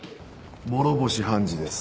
諸星判事です。